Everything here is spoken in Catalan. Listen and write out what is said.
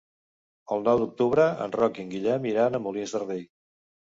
El nou d'octubre en Roc i en Guillem iran a Molins de Rei.